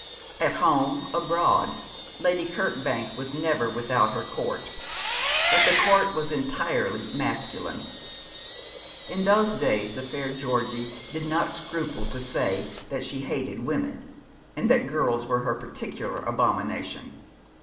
At home, abroad, Lady Kirkbank was never without her court; but the court was entirely masculine. In those days the fair Georgie did not scruple to say that she hated women, and that girls were her particular abomination.